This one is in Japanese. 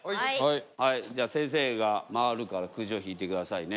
はいじゃあ先生が回るからくじを引いてくださいね。